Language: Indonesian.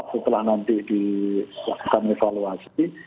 empat setelah nanti disesuaikan evaluasi